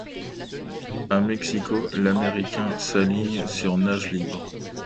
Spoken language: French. À Mexico, l'Américain s'aligne sur nage libre.